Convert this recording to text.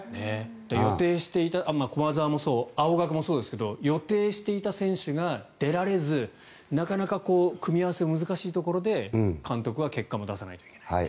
予定していた駒澤もそう、青学もそうですが予定していた選手が出られずなかなか組み合わせが難しいところで監督は結果も出さないといけない。